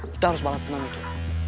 kita harus balas senam itu